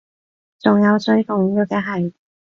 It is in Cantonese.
仲有最重要嘅係